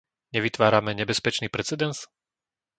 Nevytvárame nebezpečný precedens?